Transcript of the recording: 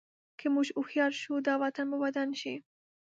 که موږ هوښیار شو، دا وطن به ودان شي.